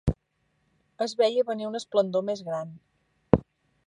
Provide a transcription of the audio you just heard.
Es veia venir un esplendor més gran.